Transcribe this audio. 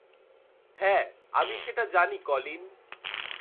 হ্যাঁ, আমি সেটা জানি, কলিন।